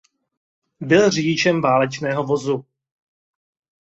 Byl řidičem válečného vozu.